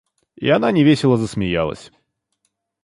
И она невесело засмеялась.